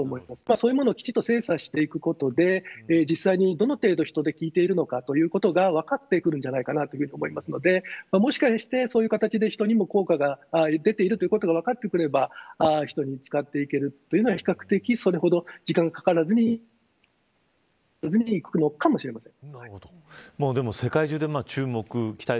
そういうものをきちんと精査していくことで実際に、どの程度人で効いているのかが分かってくるんじゃないかなと思いますのでもしかしてそういう形で人にも効果が出ているということが分かってくれば人に使っていけるというのは比較的それほど時間がかからずにいくのかもしれません。